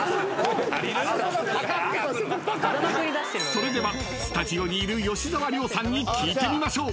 ［それではスタジオにいる吉沢亮さんに聞いてみましょう］